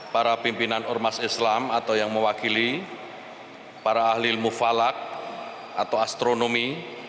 para pimpinan ormas islam atau yang mewakili para ahli mufalak atau astronomi